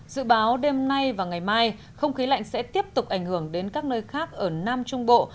dự báo đêm nay và ngày mai không khí lạnh sẽ tiếp tục ảnh hưởng đến các nơi khác ở nam trung bộ